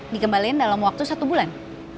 dikembalikan dalam waktu satu bulan